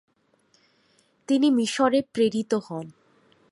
তিনি মিশরে প্রেরিত হন।